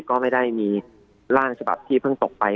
ก็ไม่ได้มีร่างฉบับที่เพิ่งตกไป